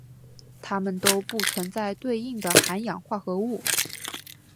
它们都不存在对应的含氧化合物。